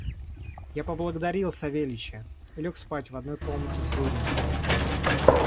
Я благодарил Савельича и лег спать в одной комнате с Зуриным.